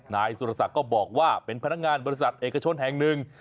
นายสุรศักดิ์ก็บอกว่าเป็นพนักงานบริษัทเอกชนแห่งหนึ่ง